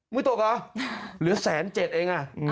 มือตกอ่ะเหลือ๑๐๗๐๐๐บาท